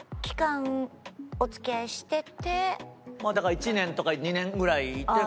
だから１年とか２年ぐらいいても。